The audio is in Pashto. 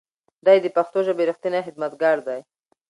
دی د پښتو ژبې رښتینی خدمتګار دی.